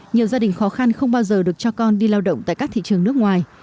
nhiều gia đình khó khăn không bao giờ được cho con đi lao động tại các thị trường nước ngoài